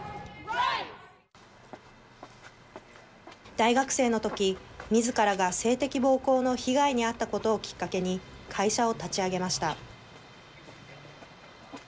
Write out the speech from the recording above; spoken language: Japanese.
大学生の時みずからが性的暴行の被害に遭ったことをきっかけに会社を立ち上げました。